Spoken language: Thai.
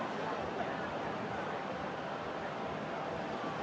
สวัสดีครับ